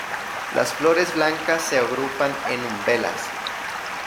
Las flores blancas se agrupan en umbelas.